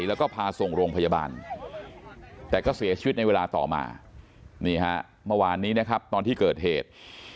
แล้วก็พาส่งโรงพยาบาลแต่ก็เสียชีวิตในเวลาต่อมานี่ฮะเมื่อวานนี้นะครับตอนที่เกิดเหตุ